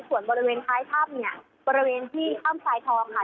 ส่วนบริเวณท้ายถ้ำเนี่ยบริเวณที่ถ้ำทรายทองค่ะ